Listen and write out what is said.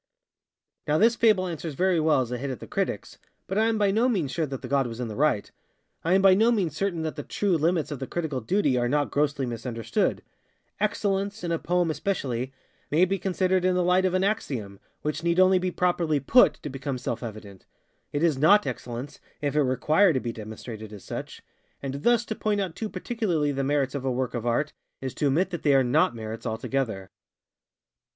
Now this fable answers very well as a hit at the criticsŌĆöbut I am by no means sure that the god was in the right. I am by no means certain that the true limits of the critical duty are not grossly misunderstood. Excellence, in a poem especially, may be considered in the light of an axiom, which need only be properly _put, _to become self evident. It is _not _excellence if it require to be demonstrated as such:ŌĆöand thus to point out too particularly the merits of a work of Art, is to admit that they are _not _merits altogether.